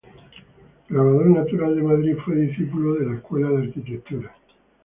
Grabador natural de Madrid, fue discípulo de la Escuela de Arquitectura.